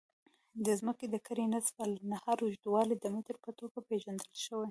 د ځمکې د کرې نصف النهار اوږدوالی د متر په توګه پېژندل شوی.